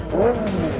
menutup bayi lo